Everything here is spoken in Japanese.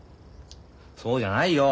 そうじゃないよ！